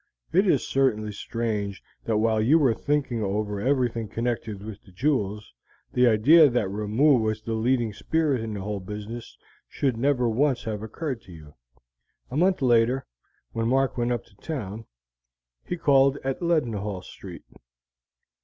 It is certainly strange that while you were thinking over everything connected with the jewels, the idea that Ramoo was the leading spirit in the whole business should never once have occurred to you." A month later, when Mark went up to town, he called at Leadenhall Street.